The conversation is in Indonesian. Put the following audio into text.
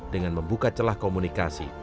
dengan membuka celah komunikasi